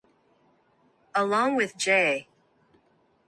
Along with J.